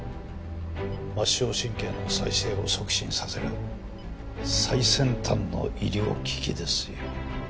末梢神経の再生を促進させる最先端の医療機器ですよ。